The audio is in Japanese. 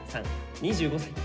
２５歳。